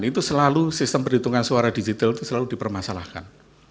itu selalu sistem perhitungan suara digital itu selalu dipermasalahkan